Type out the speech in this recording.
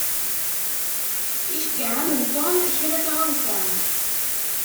Iceyyeɛ-am-n Tom kra n tɣawsa.